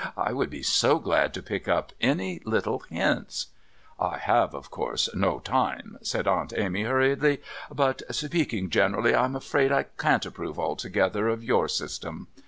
I would be so glad to pick up any little hints " "I have, of course, no time," said Aunt Amy hurriedly, "but, speaking generally, I am afraid I can't approve altogether of your system."